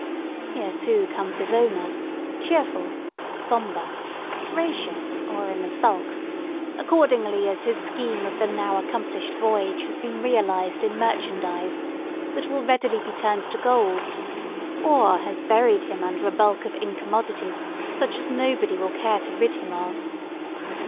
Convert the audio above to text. Here, too, comes his owner, cheerful, sombre, gracious or in the sulks, accordingly as his scheme of the now accomplished voyage has been realized in merchandise that will readily be turned to gold, or has buried him under a bulk of incommodities such as nobody will care to rid him of.